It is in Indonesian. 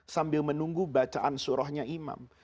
sambil menunggu bacaan surahnya imam